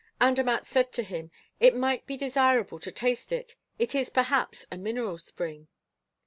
Andermatt said to him: "It might be desirable to taste it; it is perhaps a mineral spring."